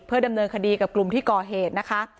ดำเนินคดีกับกลุ่มที่ก่อเหตุนะคะ